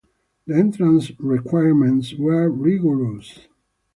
The entrance requirements were rigorous.